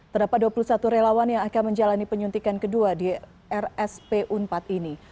terdapat dua puluh satu relawan yang akan menjalani penyuntikan kedua di rsp unpad ini